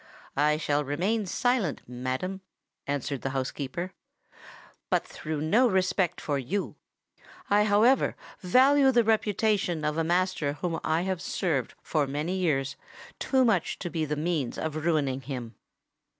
"I shall remain silent, madam," answered the housekeeper; "but through no respect for you. I however value the reputation of a master whom I have served for many years, too much to be the means of ruining him."